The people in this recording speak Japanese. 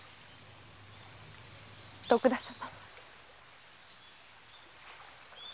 徳田様。